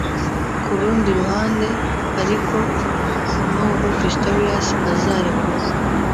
Ku rundi ruhande ariko nubwo Pistorius azarekurwa